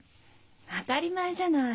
当たり前じゃない。